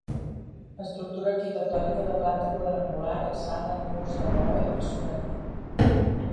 Estructura arquitectònica de planta quadrangular alçada amb murs de maó i maçoneria.